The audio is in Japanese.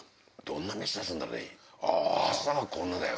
朝がこんなだよ。